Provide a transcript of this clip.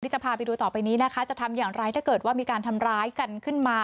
จะพาไปดูต่อไปนี้นะคะจะทำอย่างไรถ้าเกิดว่ามีการทำร้ายกันขึ้นมา